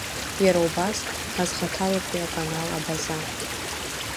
Иара убас хазхаҭалатәи аканал Абаза…